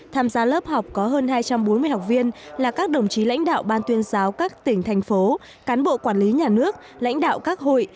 tham gia lớp học có hơn hai trăm bốn mươi học viên là các đồng chí lãnh đạo ban tuyên giáo các tỉnh thành phố cán bộ quản lý nhà nước lãnh đạo các hội